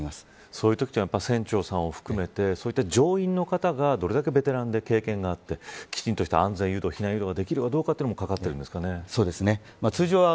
そういうときは船長さんを含めてそういった乗員の方がどれだけベテランで経験があってきちんとした避難誘導ができるかどうかにもそうですね。